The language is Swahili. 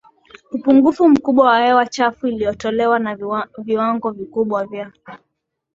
upungufu mkubwa wa hewa chafu inayotolewa na viwango vikubwa vya